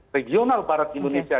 regional barat indonesia